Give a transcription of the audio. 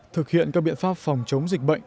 thực hiện các biện pháp phòng chống dịch bệnh